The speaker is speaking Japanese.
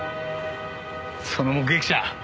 その目撃者